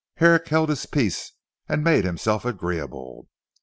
Herrick held his peace and made himself agreeable.